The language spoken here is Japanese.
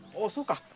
そうか。